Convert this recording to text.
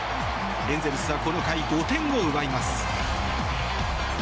エンゼルスはこの回、５点を奪います。